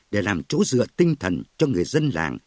để làm chỗ dựa tinh thần cho người dân làng